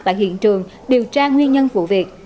tại hiện trường điều tra nguyên nhân vụ việc